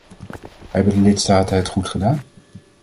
Hebben de lidstaten het goed gedaan?